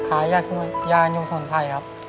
ขายยากันยุงสมุนไพรครับ